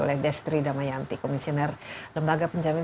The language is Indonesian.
oleh destri damayanti komisioner lembaga penjamin